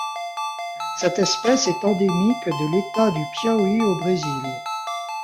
Cette espèce est endémique de l'État du Piauí au Brésil.